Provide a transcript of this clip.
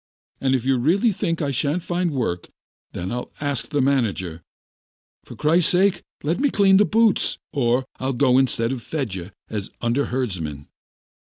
And if you really think I shan't find work, then I'll ask the manager, for Christ's sake, to let me clean the boots, or I'll go instead of Fedya as underherdsman.